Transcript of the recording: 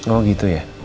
oh gitu ya